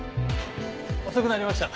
遅くなりました。